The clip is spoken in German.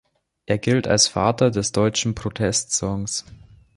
Er gilt als „Vater des deutschen Protestsongs“.